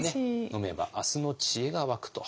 飲めば明日の知恵が湧くと。